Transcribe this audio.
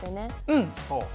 うんそう。